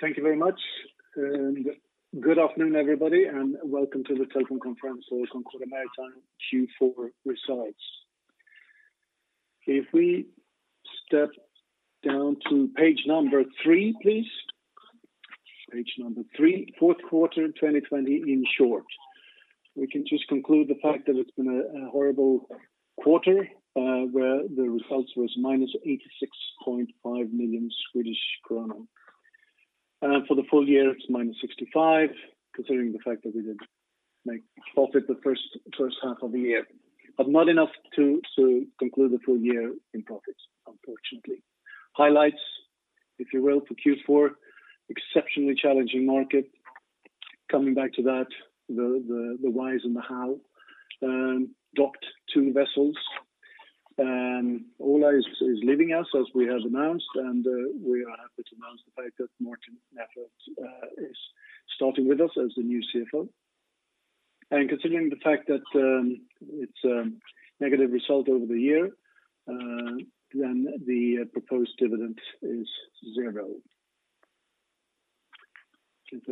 Thank you very much. Good afternoon, everybody, and welcome to the telephone conference call for Concordia Maritime Q4 results. If we step down to page number three, please. Page number three, fourth quarter 2020, in short. We can just conclude the fact that it's been a horrible quarter, where the results was -86.5 million Swedish kronor. For the full year, it's -65 million, considering the fact that we did make profit the first half of the year, not enough to conclude the full year in profit, unfortunately. Highlights, if you will, for Q4, exceptionally challenging market. Coming back to that, the whys and the how. Docked two vessels, Ola is leaving us as we have announced, we are happy to announce the fact that Martin Nerfeldt is starting with us as the new CFO. Considering the fact that it's a negative result over the year, then the proposed dividend is zero.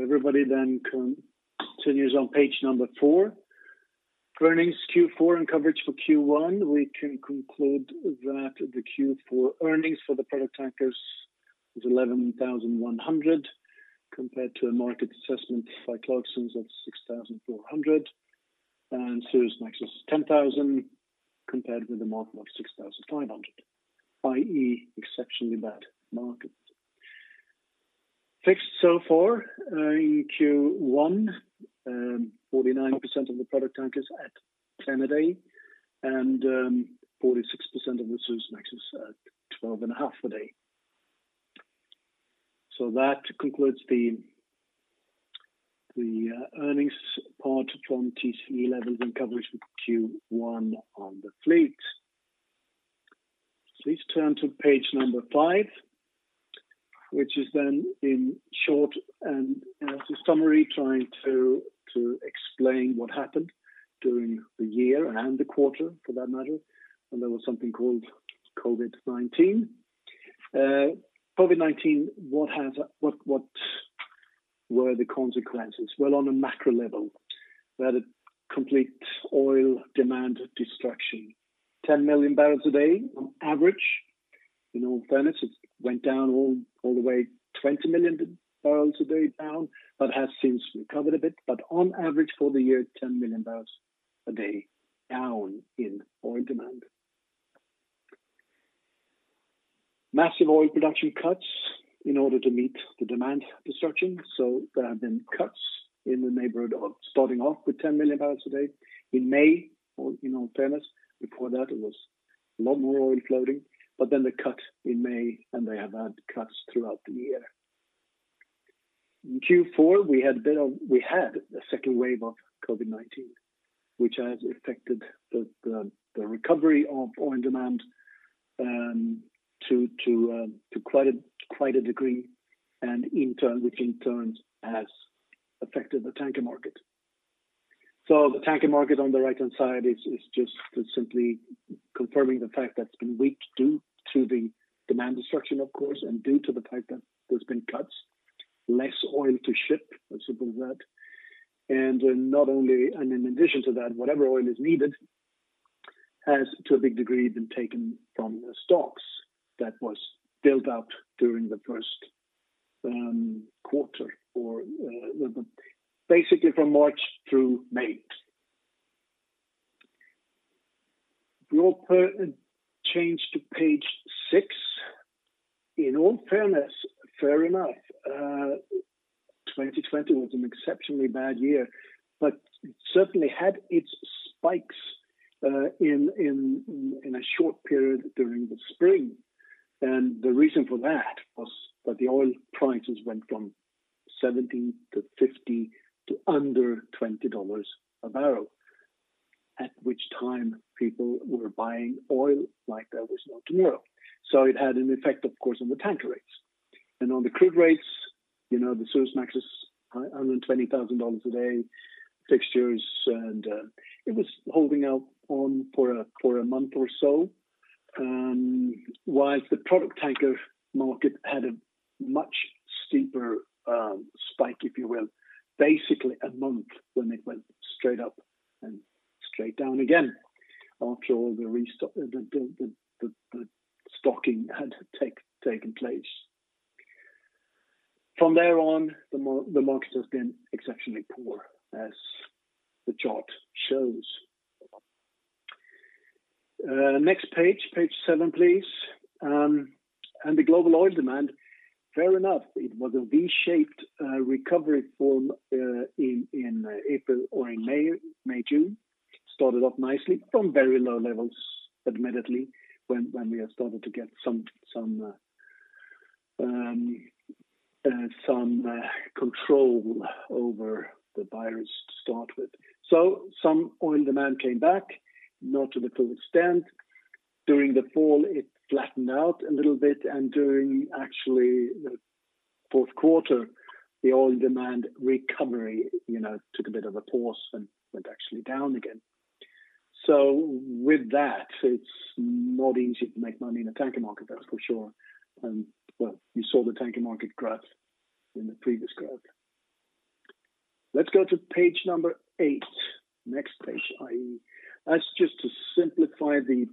Everybody continues on page number four, earnings Q4 and coverage for Q1, we can conclude that the Q4 earnings for the product tankers was $11,100 compared to a market assessment by Clarksons of $6,400, and Suezmaxes $10,000 compared with the market of $6,500, i.e., exceptionally bad market. Fixed so far, in Q1, 49% of the product tankers at 10 a day and 46% of the Suezmaxes at 12.5 a day. That concludes the earnings part from TCE levels and coverage for Q1 on the fleet. Please turn to page number five, which is in short and as a summary trying to explain what happened during the year and the quarter for that matter when there was something called COVID-19. COVID-19, what were the consequences? On a macro level, we had a complete oil demand destruction, 10 million barrels a day on average. In all fairness, it went down all the way 20 million barrels a day down, but has since recovered a bit. On average for the year, 10 million barrels a day down in oil demand. Massive oil production cuts in order to meet the demand destruction. There have been cuts in the neighborhood of starting off with 10 million barrels a day in May, in all fairness. Before that, it was a lot more oil floating, but then the cut in May, and they have had cuts throughout the year. In Q4, we had a second wave of COVID-19, which has affected the recovery of oil demand to quite a degree, which in turn has affected the tanker market. The tanker market on the right-hand side is just simply confirming the fact that it's been weak due to the demand destruction, of course, and due to the fact that there's been cuts, less oil to ship, let's put it as that. In addition to that, whatever oil is needed has, to a big degree, been taken from the stocks that was built up during the first quarter, basically from March through May. Change to page six. In all fairness, fair enough, 2020 was an exceptionally bad year, but it certainly had its spikes in a short period during the spring. The reason for that was that the oil prices went from $17 to $50 to under $20 a barrel, at which time people were buying oil like there was no tomorrow. It had an effect, of course, on the tanker rates. On the crude rates, the Suezmaxes, $120,000 a day fixtures, and it was holding out on for a month or so, while the product tanker market had a much steeper spike, if you will, basically a month when it went straight up and straight down again after all the restocking had taken place. From there on, the market has been exceptionally poor, as the chart shows. Next page seven, please. The global oil demand, fair enough, it was a V-shaped recovery form in April or in May, June. It started off nicely from very low levels, admittedly, when we had started to get some control over the virus to start with. Some oil demand came back, not to the full extent. During the fall, it flattened out a little bit, during actually the fourth quarter, the oil demand recovery took a bit of a pause and went actually down again. With that, it's not easy to make money in the tanker market, that's for sure. Well, you saw the tanker market graph in the previous graph. Let's go to page eight, next page, i.e., that's just to simplify the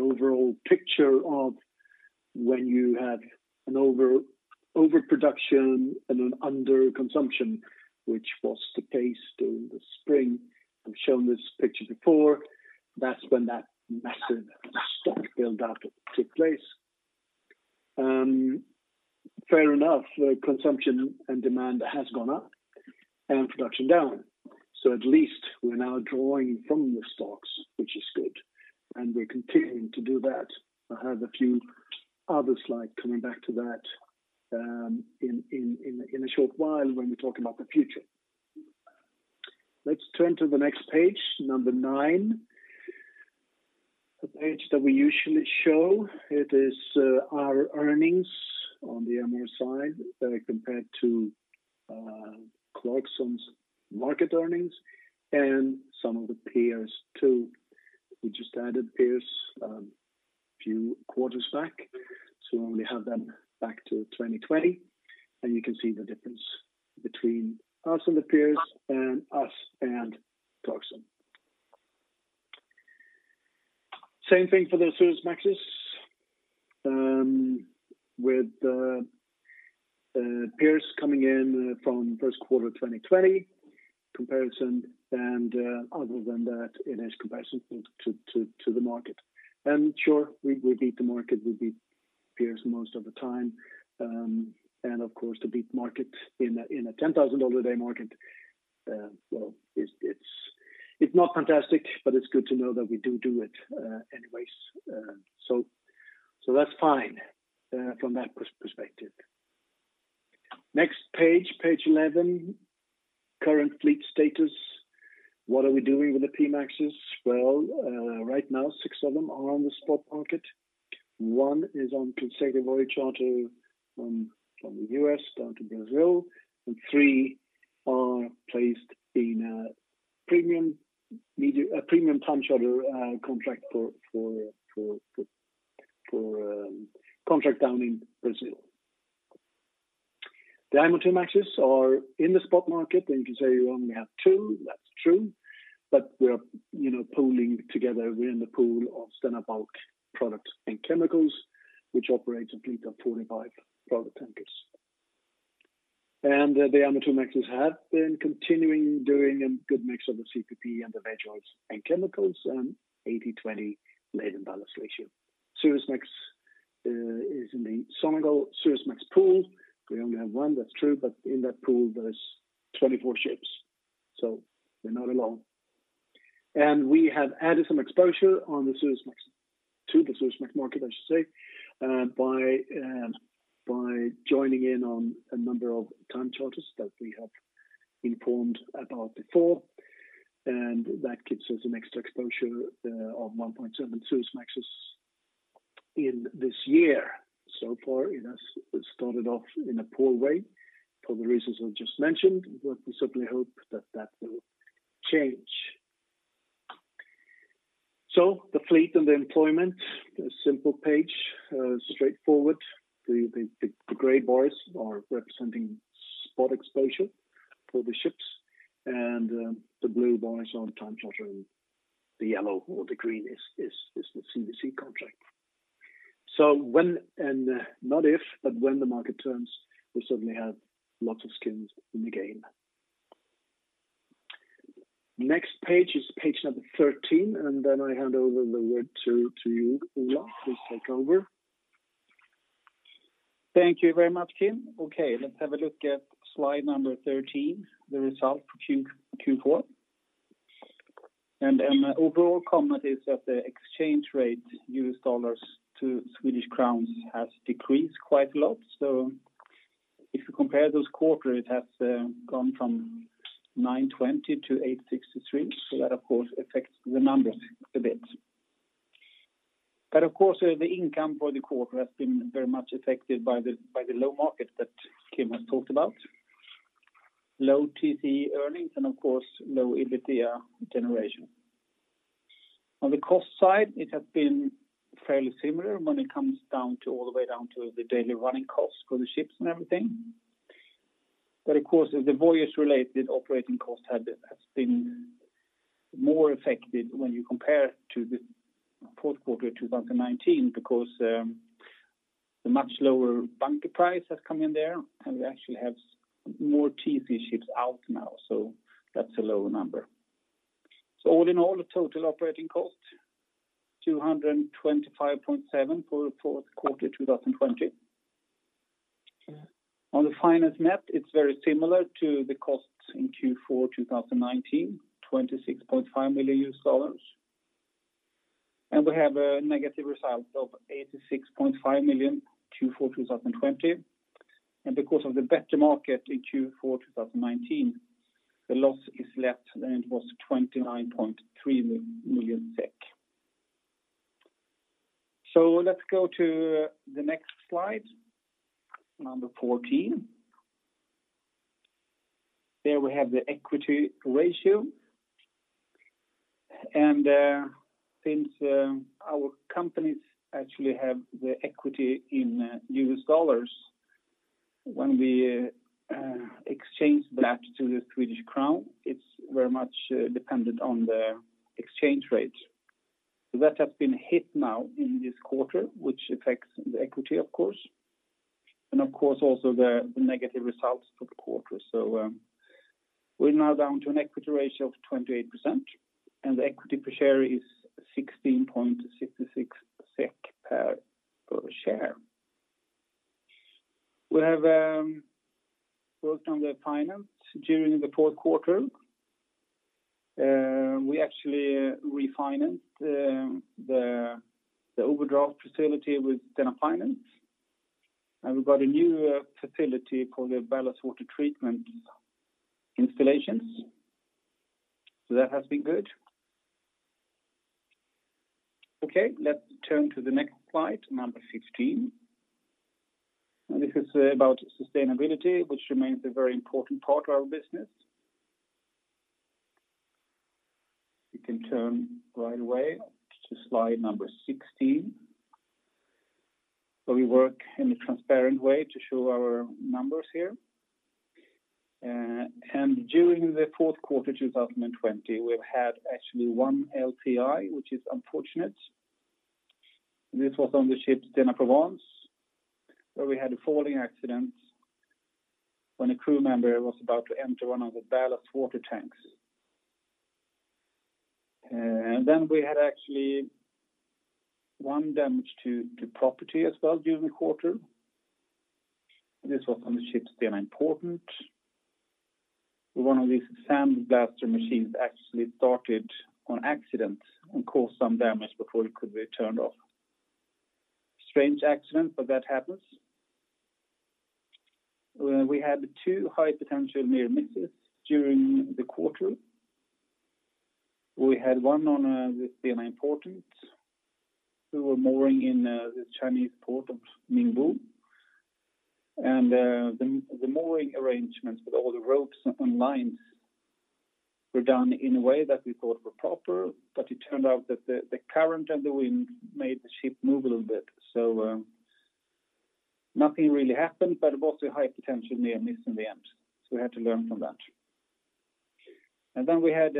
overall picture of when you had an overproduction and an underconsumption, which was the case during the spring. I've shown this picture before. That's when that massive stock build-up took place. Fair enough, the consumption and demand has gone up and production down. At least we're now drawing from the stocks, which is good, and we're continuing to do that. I have a few other slides coming back to that in a short while when we talk about the future. Let's turn to the next page, number nine. A page that we usually show. It is our earnings on the MR side compared to Clarksons market earnings and some of the peers too. We just added peers a few quarters back, so we only have them back to 2020. You can see the difference between us and the peers, and us and Clarksons. Same thing for the Suezmaxes, with the peers coming in from first quarter 2020 comparison and other than that, it is comparison to the market. Sure, we beat the market, we beat peers most of the time. Of course, to beat the market in a $10,000 day market, well, it's not fantastic, but it's good to know that we do it anyways. That's fine from that perspective. Next page 11. Current fleet status. What are we doing with the P-MAXs? Well, right now, six of them are on the spot market. One is on consecutive voyage charter from the U.S. down to Brazil, and three are placed in a premium time charter contract down in Brazil. The IMOIIMAXs are in the spot market, you can say we only have two. That's true, we're pooling together. We're in the pool of product tankers and chemicals, which operates a fleet of 45 product tankers. The IMOIIMAXs have been continuing doing a good mix of the CPP and the veg oils and chemicals, and 80/20 laden ballast ratio. Suezmax is in the Sonangol Suezmax Pool. We only have one, that's true, in that pool, there is 24 ships, we're not alone. We have added some exposure to the Suezmax market by joining in on a number of time charters that we have informed about before. That gives us an extra exposure of 1.7 Suezmaxes in this year. So far, it has started off in a poor way for the reasons I just mentioned, but we certainly hope that will change. The fleet and the employment, a simple page, straightforward. The gray bars are representing spot exposure for the ships and the blue bars are the time charter and the yellow or the green is the CVC contract. When and not if, but when the market turns, we certainly have lots of skins in the game. Next page is page number 13, and then I hand over the word to you, Ola. Please take over. Thank you very much, Kim. Okay, let's have a look at slide number 13, the result for Q4. An overall comment is that the exchange rate, US dollars to Swedish crowns has decreased quite a lot. If you compare those quarters, it has gone from 920 to 863. That, of course, affects the numbers a bit. Of course, the income for the quarter has been very much affected by the low market that Kim has talked about. Low TC earnings and of course, low EBITDA generation. On the cost side, it has been fairly similar when it comes all the way down to the daily running costs for the ships and everything. Of course, the voyage-related operating costs has been more affected when you compare to the fourth quarter of 2019 because the much lower bunker price has come in there and we actually have more TC ships out now, so that's a lower number. All in all, the total operating cost, 225.7 for fourth quarter 2020. On the finance net, it's very similar to the costs in Q4 2019, $26.5 million. We have a negative result of -86.5 million Q4 2020. Because of the better market in Q4 2019, the loss is less than it was 29.3 million. Let's go to the next slide, number 14. There we have the equity ratio, and since our companies actually have the equity in U.S. dollars, when we exchange that to the Swedish crown, it's very much dependent on the exchange rate. That has been hit now in this quarter, which affects the equity, of course, and of course, also the negative results for the quarter. We're now down to an equity ratio of 28%, and the equity per share is 16.66 SEK per share. We have worked on the finance during the fourth quarter. We actually refinanced the overdraft facility with Stena Finance, and we got a new facility for the ballast water treatment installations. That has been good. Let's turn to the next slide number 15. This is about sustainability, which remains a very important part of our business. You can turn right away to slide number 16. We work in a transparent way to show our numbers here. During the fourth quarter 2020, we've had actually one LTI, which is unfortunate. This was on the ship Stena Provence, where we had a falling accident when a crew member was about to enter one of the ballast water tanks. We had actually one damage to property as well during the quarter. This was on the ship Stena Important. One of these sandblaster machines actually started on accident and caused some damage before it could be turned off. Strange accident, but that happens. We had two high potential near misses during the quarter. We had one on the Stena Important. We were mooring in the Chinese port of Ningbo, and the mooring arrangements with all the ropes and lines were done in a way that we thought were proper, but it turned out that the current and the wind made the ship move a little bit. Nothing really happened, but it was a high potential near miss in the end. We had to learn from that. We had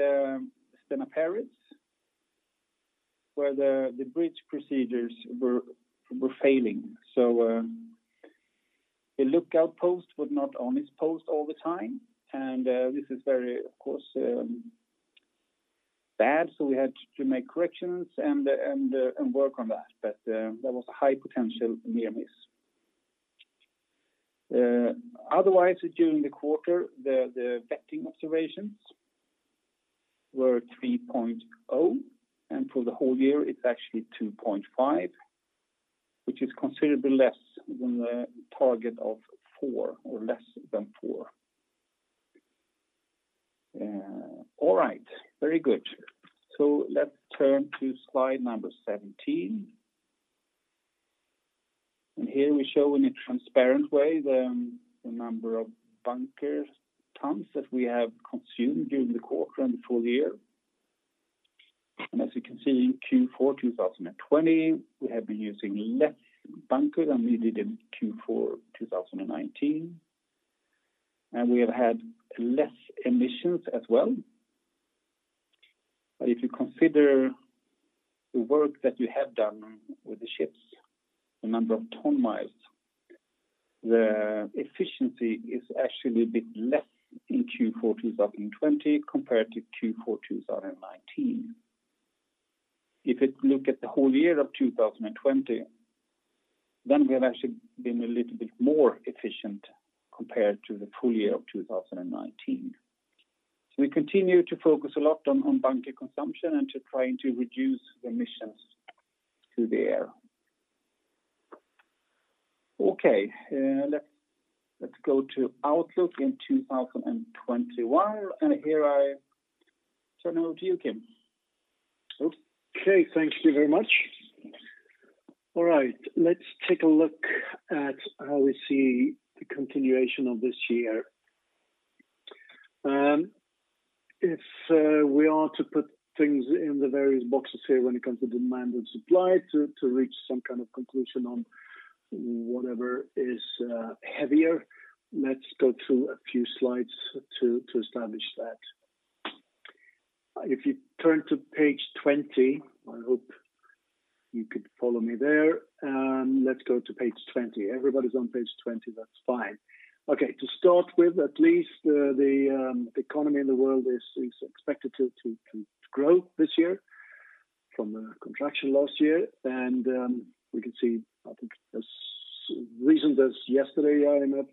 Stena Paris, where the bridge procedures were failing. The lookout post was not on its post all the time. This is very, of course, bad. We had to make corrections and work on that. That was a high potential near miss. Otherwise, during the quarter, the vetting observations were 3.0, and for the whole year, it's actually 2.5, which is considerably less than the target of 4 or less than 4. All right. Very good. Let's turn to slide number 17. Here we show in a transparent way the number of bunker tons that we have consumed during the quarter and the full year. As you can see, in Q4 2020, we have been using less bunker than we did in Q4 2019, and we have had less emissions as well. If you consider the work that you have done with the ships, the number of ton miles, the efficiency is actually a bit less in Q4 2020 compared to Q4 2019. If you look at the whole year of 2020, then we have actually been a little bit more efficient compared to the full year of 2019. We continue to focus a lot on bunker consumption and to trying to reduce emissions to the air. Okay, let's go to outlook in 2021, and here I turn over to you, Kim. Okay. Thank you very much. All right. Let's take a look at how we see the continuation of this year. If we are to put things in the various boxes here when it comes to demand and supply to reach some kind of conclusion on whatever is heavier, let's go through a few slides to establish that. If you turn to page 20, I hope you could follow me there. Let's go to page 20. Everybody's on page 20. That's fine. Okay, to start with, at least the economy in the world is expected to grow this year from a contraction last year. We can see, I think as recent as yesterday, IMF, up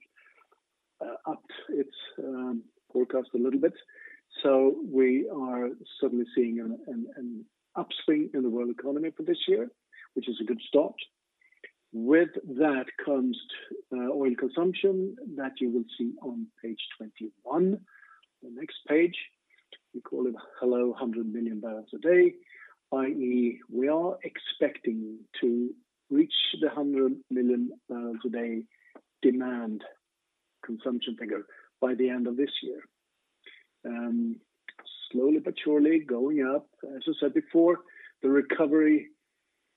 its forecast a little bit. We are suddenly seeing an upswing in the world economy for this year, which is a good start. With that comes oil consumption that you will see on page 21, the next page. We call it "Hello, 100 million barrels a day." i.e., we are expecting to reach the 100 million barrels a day demand consumption figure by the end of this year. Slowly but surely going up. As I said before, the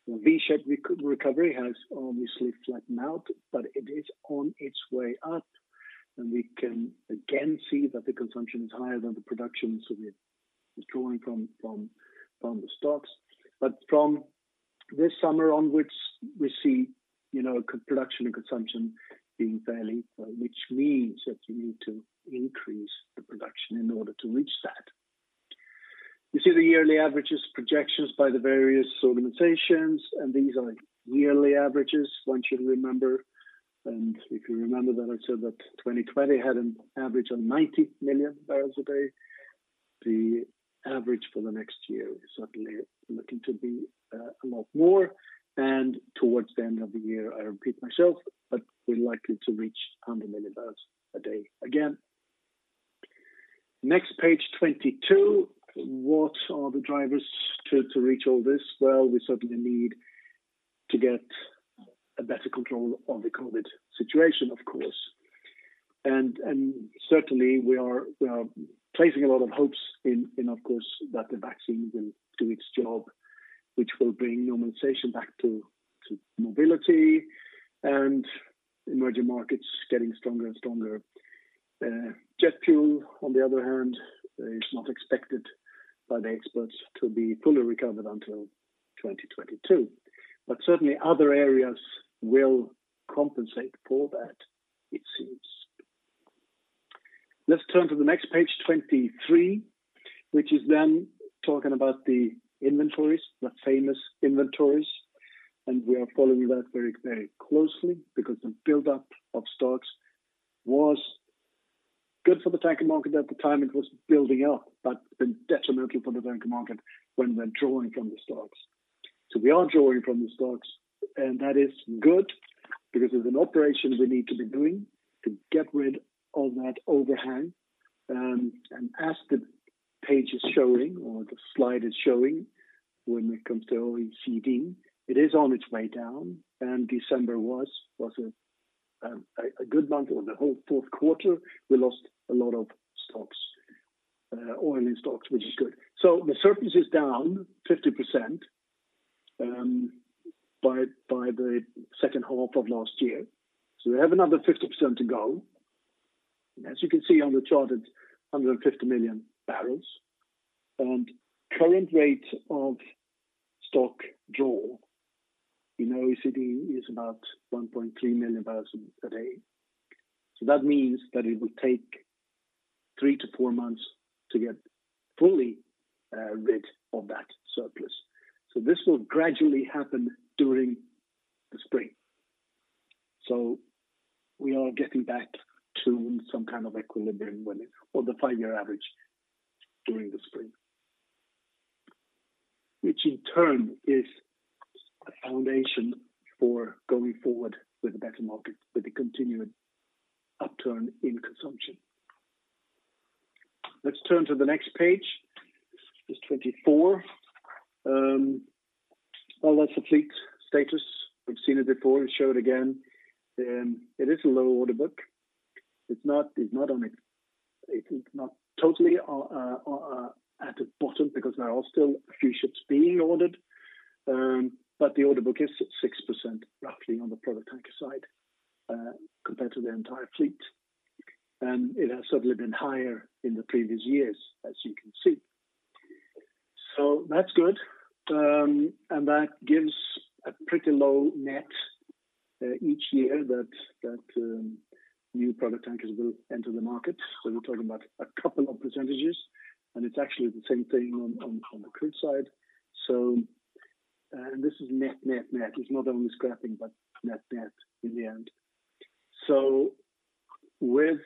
V-shaped recovery has obviously flattened out, but it is on its way up, and we can again see that the consumption is higher than the production, so we're drawing from the stocks. From this summer onwards, we see production and consumption being fairly, which means that we need to increase the production in order to reach that. You see the yearly averages projections by the various organizations, and these are yearly averages, one should remember. If you remember that I said that 2020 had an average of 90 million barrels a day. The average for the next year is certainly looking to be a lot more, and towards the end of the year, I repeat myself, but we're likely to reach 100 million barrels a day again. Next, page 22. What are the drivers to reach all this? Well, we certainly need to get a better control of the COVID situation, of course. Certainly, we are placing a lot of hopes in, of course, that the vaccine will do its job, which will bring normalization back to mobility and emerging markets getting stronger and stronger. Jet fuel, on the other hand, is not expected by the experts to be fully recovered until 2022. Certainly, other areas will compensate for that, it seems. Let's turn to the next page, 23, which is talking about the inventories, the famous inventories. We are following that very closely because the buildup of stocks was good for the tanker market at the time it was building up, but been detrimental for the tanker market when we're drawing from the stocks. We are drawing from the stocks. That is good because it's an operation we need to be doing to get rid of that overhang. As the page is showing or the slide is showing, when it comes to OECD, it is on its way down. December was a good month. On the whole fourth quarter, we lost a lot of stocks, oil in stocks, which is good. The surplus is down 50% by the second half of last year. We have another 50% to go. As you can see on the chart, it's 150 million barrels, and current rate of stock draw in OECD is about 1.3 million barrels a day. That means that it will take three to four months to get fully rid of that surplus. This will gradually happen during the spring. We are getting back to some kind of equilibrium or the five-year average during the spring, which in turn is a foundation for going forward with a better market, with the continued upturn in consumption. Let's turn to the next page 24. Well, that's the fleet status. We've seen it before. Let's show it again. It is a low order book. It's not totally at the bottom because there are still a few ships being ordered, but the order book is at 6%, roughly on the product tanker side, compared to the entire fleet. It has certainly been higher in the previous years, as you can see. That's good, and that gives a pretty low net each year that new product tankers will enter the market. We're talking about a couple of percentages, and it's actually the same thing on the crude side. This is net. It's not only scrapping, but net in the end. With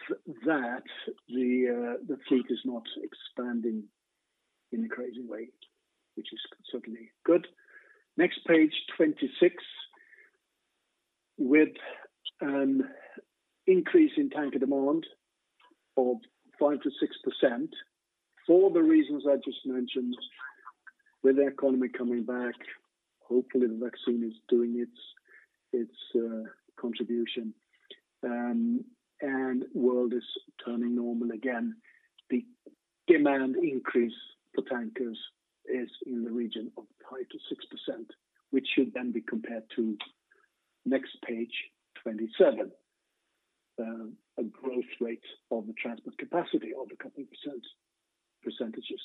that, the fleet is not expanding in a crazy way, which is certainly good. Next, page 26. With an increase in tanker demand of 5%-6%, for the reasons I just mentioned, with the economy coming back, hopefully, the vaccine is doing its contribution, and world is turning normal again. The demand increase for tankers is in the region of 5%-6%, which should then be compared to next page 27, a growth rate of the transport capacity of a couple of percentages.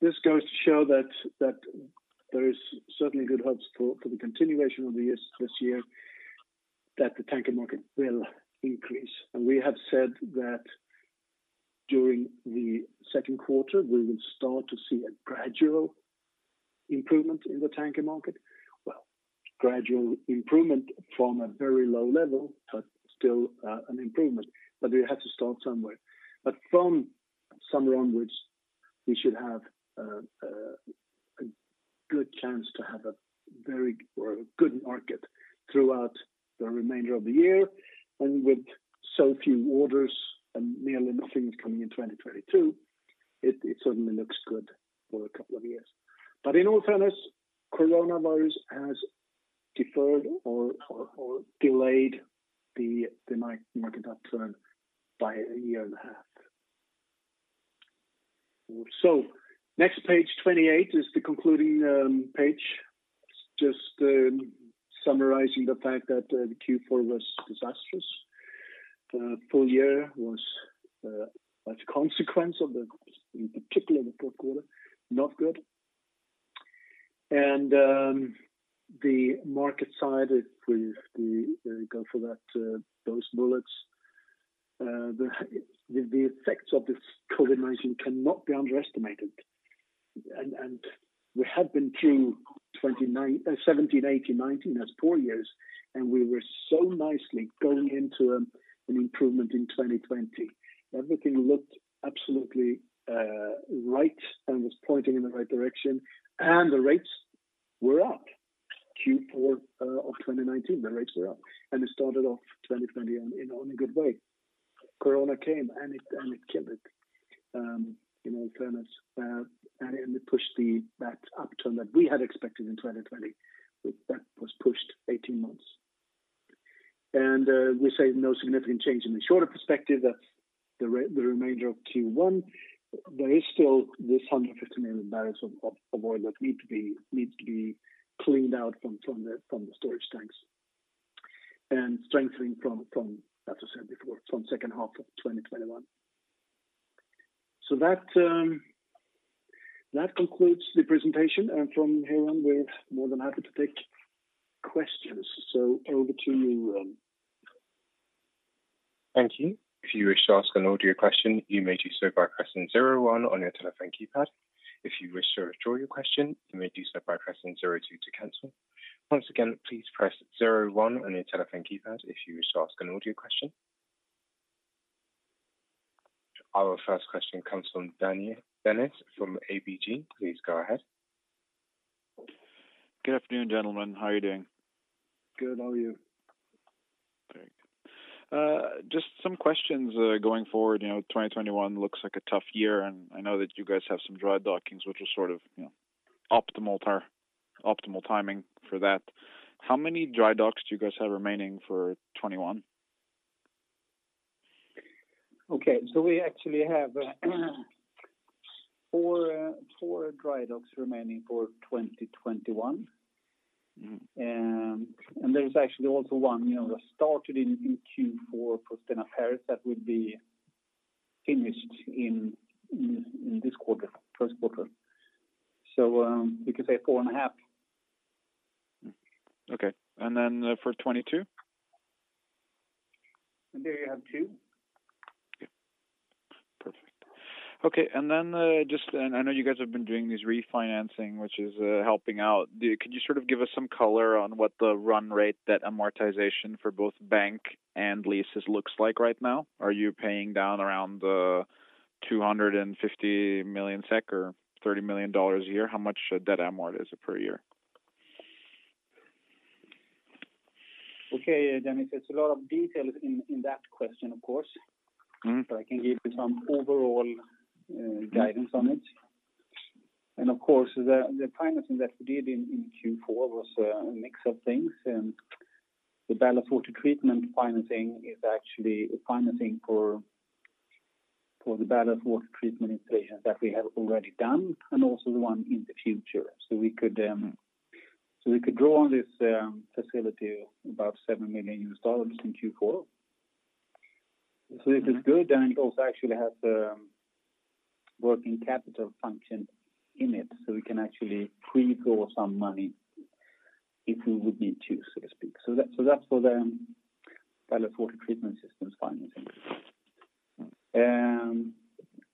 This goes to show that there is certainly good hopes for the continuation of this year that the tanker market will increase. We have said that during the second quarter, we will start to see a gradual improvement in the tanker market. Well, gradual improvement from a very low level, but still an improvement, but we have to start somewhere. From summer onwards, we should have a good chance to have a very good market throughout the remainder of the year. With so few orders and nearly nothing coming in 2022, it certainly looks good for a couple of years. In all fairness, coronavirus has deferred or delayed the market upturn by a year and a half. Next, page 28 is the concluding page, just summarizing the fact that the Q4 was disastrous. The full year was a consequence of, in particular, the fourth quarter, not good. The market side with the, there you go, for those bullets. The effects of this COVID-19 cannot be underestimated. We had been through 2017, 2018, 2019. That's four years. We were so nicely going into an improvement in 2020. Everything looked absolutely right and was pointing in the right direction, and the rates were up. Q4 of 2019, the rates were up, and it started off 2020 in only a good way. Corona came, and it killed it in all fairness, and it pushed the upturn that we had expected in 2020, that was pushed 18 months. We say no significant change in the shorter perspective. That's the remainder of Q1. There is still this 150 million barrels of oil that needs to be cleaned out from the storage tanks. Strengthening from, as I said before, from second half of 2021. That concludes the presentation. From here on, we're more than happy to take questions. Over to you, Ron. Thank you. If you wish to ask an audio question, you may do so by pressing zero one on your telephone keypad. If you wish to withdraw your question, you may do so by pressing zero two to cancel. Once again, please press zero one on your telephone keypad if you wish to ask an audio question. Our first question comes from Dennis from ABG. Please go ahead. Good afternoon, gentlemen. How are you doing? Good. How are you? Very good. Just some questions going forward. 2021 looks like a tough year, and I know that you guys have some dry dockings, which is optimal timing for that. How many dry docks do you guys have remaining for 2021? Okay. We actually have four dry docks remaining for 2021. There's actually also one that started in Q4 for Stena Paris that would be finished in this quarter, first quarter. We could say four and a half. Okay. For 2022? There you have two. Okay. Perfect. I know you guys have been doing this refinancing, which is helping out. Could you give us some color on what the run rate debt amortization for both bank and leases looks like right now? Are you paying down around 250 million SEK or $30 million a year? How much debt amortizes per year? Okay, Dennis, it's a lot of details in that question, of course. I can give you some overall guidance on it. Of course, the financing that we did in Q4 was a mix of things. The ballast water treatment financing is actually a financing for the ballast water treatment installation that we have already done, and also the one in the future. We could draw on this facility about $7 million in Q4. Okay. This is good, and it also actually has a working capital function in it. We can actually pre-draw some money if we would need to, so to speak. That's for the ballast water treatment systems financing.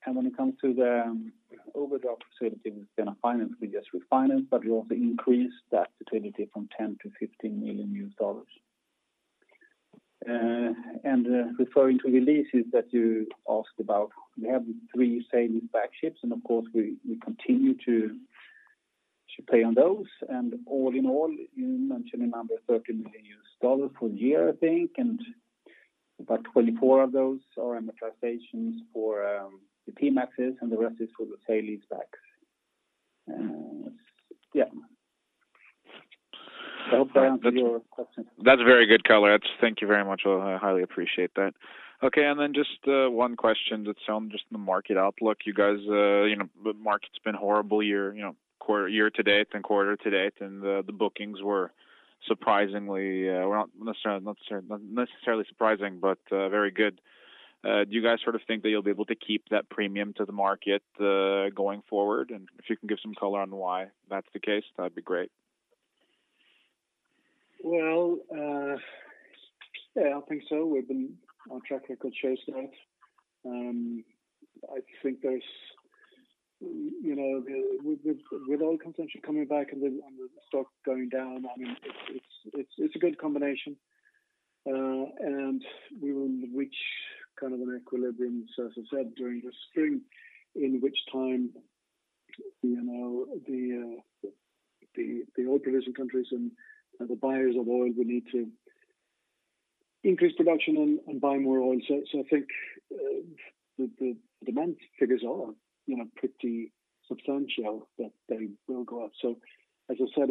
When it comes to the overdraft facility with Stena Finance, we just refinanced, but we also increased that facility from $10 million to $15 million. Referring to the leases that you asked about, we have three sale and lease-back ships, and of course, we continue to pay on those. All in all, you mentioned the number $30 million for the year, I think, and about 24 of those are amortizations for the P-MAXs, and the rest is for the sale and lease-backs. Yeah. I hope that answered your question. That's a very good color. Thank you very much. I highly appreciate that. Okay, then just one question that's on just the market outlook. The market's been horrible year-to-date and quarter-to-date, the bookings were surprisingly, well, not necessarily surprising, but very good. Do you guys think that you'll be able to keep that premium to the market going forward? If you can give some color on why that's the case, that'd be great. Well, yeah, I think so. We've been on track, I could show you that. I think with all contention coming back and with the stock going down, it's a good combination. We will reach kind of an equilibrium, as I said, during the spring, in which time the oil-producing countries and the buyers of oil will need to increase production and buy more oil. I think the demand figures are pretty substantial that they will go up. As I said,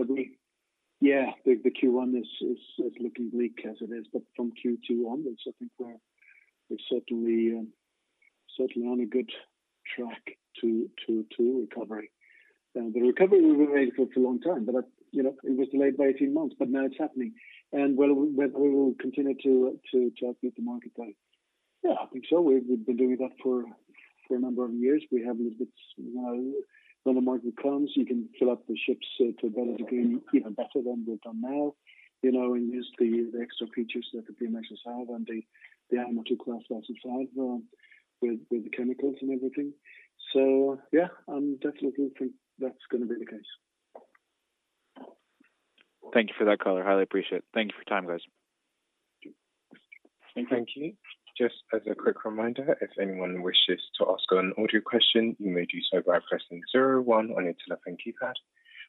yeah, the Q1 is looking bleak as it is. From Q2 onwards, I think we're certainly on a good track to recovery. The recovery will remain for a long time, but it was delayed by 18 months, but now it's happening. We will continue to help with the marketplace. Yeah, I think so. We've been doing that for a number of years. We have a little bit, when the market comes, you can fill up the ships to better than we've done now, and use the extra features that the P-MAXs have and the IMO II class also as well with the chemicals and everything. Yeah, I definitely think that's going to be the case. Thank you for that color. Highly appreciate it. Thank you for your time, guys. Thank you. Thank you. Just a quick reminder, if anyone wishes to ask an audio question, you may do so by pressing zero one on your telephone keypad.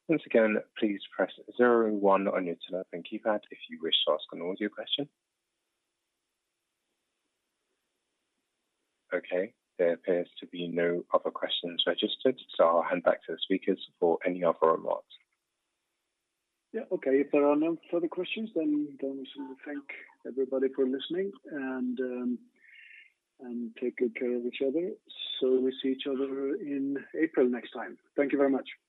Once again, please press zero one on your telephone keypad if you wish to ask an audio question. Okay, there appears to be no other questions registered, so I'll hand back to the speakers for any other remarks. Yeah. Okay. If there are no further questions, then let me thank everybody for listening, and take good care of each other. We see each other in April next time. Thank you very much. Thank you.